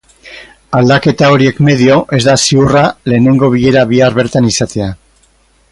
Aldaketa horiek medio, ez da ziurra lehenengo bilera bihar bertan izatea.